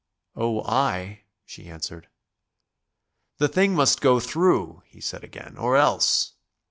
"Oh, I ..." she answered. "The thing must go through," he said again, "or else